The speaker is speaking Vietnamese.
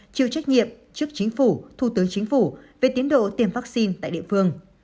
chịu trách nhiệm trước chính phủ thủ tướng chính phủ về tiến độ tiêm vaccine tại địa phương